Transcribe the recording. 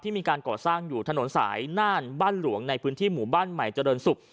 มีการก่อสร้างอยู่ถนนสายน่านบ้านหลวงในพื้นที่หมู่บ้านใหม่เจริญศุกร์